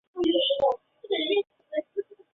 担任长安信息产业集团股份有限公司董事长。